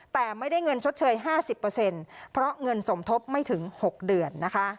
แต่ไม่ได้เงินชดเชย๕๐เพราะเงินสมทบไม่ถึง๖เดือนนะคะ